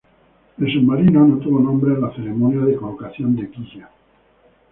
El submarino no tuvo nombre en la ceremonia de colocación de quilla.